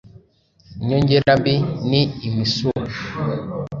Inyongera mbi ni imisuha